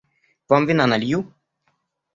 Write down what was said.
Вам вина налью?